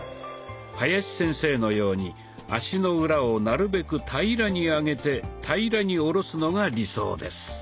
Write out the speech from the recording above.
林先生のように足の裏をなるべく平らに上げて平らに下ろすのが理想です。